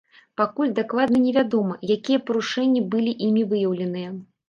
Пакуль дакладна невядома, якія парушэнні былі імі выяўленыя.